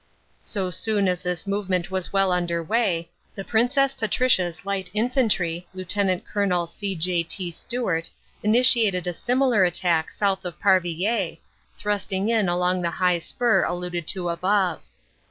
So soon as this movement was well under way, the Princess Patricia s Light Infantry, Lt. Col. C. J. T. Stewart, initiated a similar attack south of Parvillers, thrusting in along the high spur alluded to above.